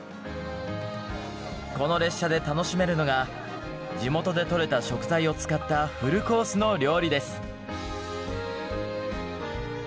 この列車で楽しめるのが地元で採れた食材を使ったフルコースの料理です。